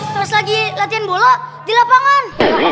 terus lagi latihan bola di lapangan